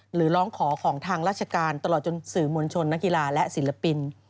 หรือร้องขอของทางราชการตลอดจนสื่อมวลชนนักกีฬาและศิลปิน